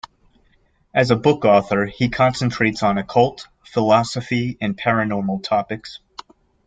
As a book author he concentrates on occult, philosophy and paranormal topics.